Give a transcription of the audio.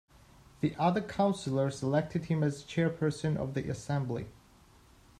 The other councillors elected him as chairperson of the assembly.